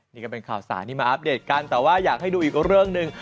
นี่ก็เป็นข่าวสารที่มาอัปเดตกันแต่ว่าอยากให้ดูอีกเรื่องหนึ่ง